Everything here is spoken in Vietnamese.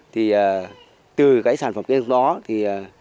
thì từ cái sản phẩm cây thông đó thì